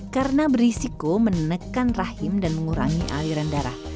karena berisiko menekan rahim dan mengurangi aliran darah